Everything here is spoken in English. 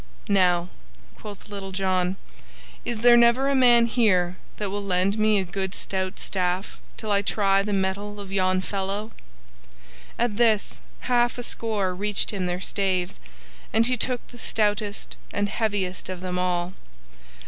"Now," quoth Little John, "is there never a man here that will lend me a good stout staff till I try the mettle of yon fellow?" At this, half a score reached him their staves, and he took the stoutest and heaviest of them all.